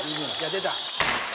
「出た」